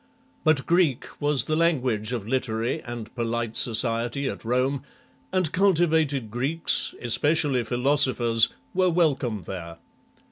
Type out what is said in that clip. But Greek was the language of literary and polite Xi INTRODUCTION society at Rome, and cultivated Greeks, especially philosophers, were welcome there.